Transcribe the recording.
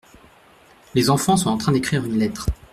Les enfants sont en train d’écrire une lettre.